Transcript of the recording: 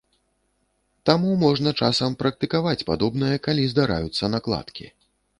Таму можна часам практыкаваць падобнае, калі здараюцца накладкі.